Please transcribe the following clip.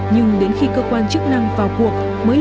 nhưng đến khi cơ quan chức năng vào cuộc